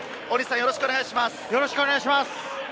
よろしくお願いします。